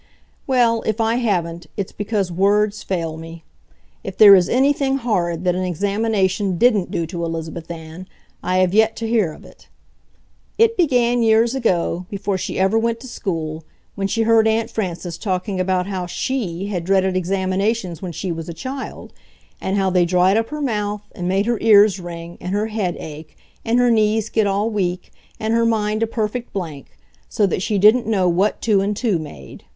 Well, if I haven't, it's because words fail me. If there is anything horrid that an examination DIDn't do to Elizabeth Ann, I have yet to hear of it. It began years ago, before ever she went to school, when she heard Aunt Frances talking about how SHE had dreaded examinations when she was a child, and how they dried up her mouth and made her ears ring and her head ache and her knees get all weak and her mind a perfect blank, so that she didn't know what two and two made.